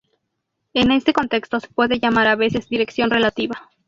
En este contexto se puede llamar a veces dirección relativa.